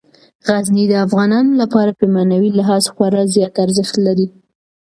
غزني د افغانانو لپاره په معنوي لحاظ خورا زیات ارزښت لري.